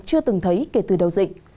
chưa từng thấy kể từ đầu dịch